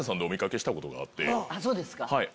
あっそうですか。